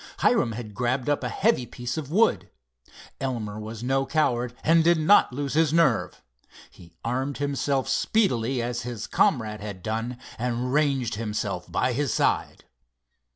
Hiram had grabbed up a heavy piece of wood. Elmer was no coward, and did not lose his nerve. He armed himself speedily as his comrade had done, and ranged himself by his side.